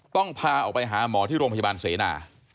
พาออกไปหาหมอที่โรงพยาบาลเสนา